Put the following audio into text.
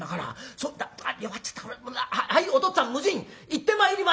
そだ弱っちゃったこれはいおとっつぁん無尽行ってまいりました」。